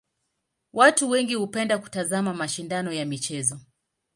Watu wengi hupenda kutazama mashindano ya michezo.